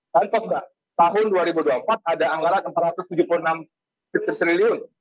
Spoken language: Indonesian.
contoh mbak tahun dua ribu dua puluh empat ada anggaran rp empat ratus tujuh puluh enam triliun